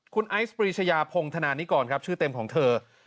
คุณไอซ์ปรีชยาพงธนานิกรครับชื่อเต็มของเธอ